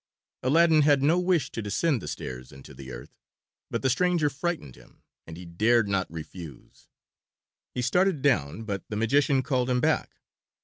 Aladdin had no wish to descend the stairs into the earth, but the stranger frightened him, and he dared not refuse. He started down, but the magician called him back.